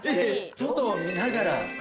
外を見ながら。